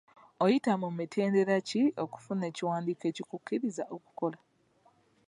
Oyita mu mitendera ki okufuna ekiwandiiko ekikukkiriza okukola?